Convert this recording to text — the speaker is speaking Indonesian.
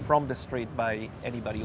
oleh siapa saja yang berlalu